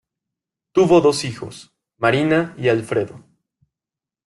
Tuvo dos hijos, Marina y Alfredo.